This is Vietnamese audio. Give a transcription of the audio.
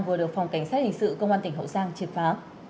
vừa được phòng cảnh sát hình sự công an tỉnh hậu giang triệt phá